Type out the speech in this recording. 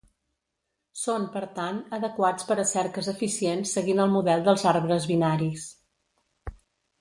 Són, per tant, adequats per a cerques eficients seguint el model dels arbres binaris.